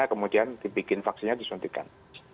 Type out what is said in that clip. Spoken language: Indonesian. kemudian dibikin vaksinnya disuntikan